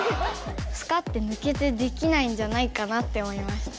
スカッてぬけてできないんじゃないかなって思いました。